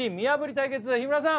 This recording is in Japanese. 対決日村さん